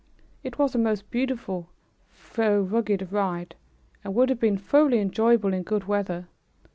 It was a most beautiful though rugged ride, and would have been thoroughly enjoyable in good weather.